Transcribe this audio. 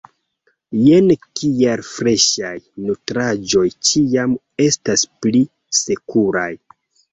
Jen kial freŝaj nutraĵoj ĉiam estas pli sekuraj.